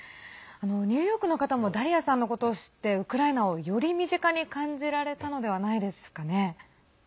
ニューヨークの方もダリアさんのことを知ってウクライナを、より身近に感じられたのではないですかね。